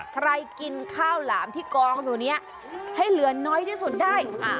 ใครกินข้าวหลามที่กองตรงเนี้ยให้เหลือน้อยที่สุดได้อ่า